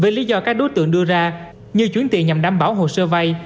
về lý do các đối tượng đưa ra như chuyển tiền nhằm đảm bảo hồ sơ vay